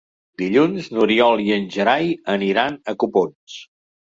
Dilluns n'Oriol i en Gerai aniran a Copons.